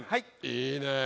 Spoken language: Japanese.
いいね。